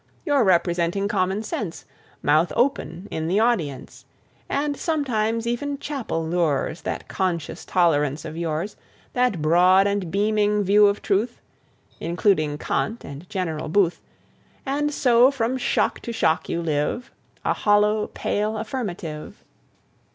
You're representing Common Sense, Mouth open, in the audience. And, sometimes, even chapel lures That conscious tolerance of yours, That broad and beaming view of truth (Including Kant and General Booth...) And so from shock to shock you live, A hollow, pale affirmative...